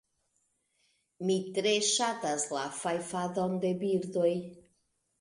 Mi tre ŝatas la fajfadon de birdoj.